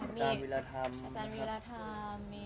จานวิรธรรม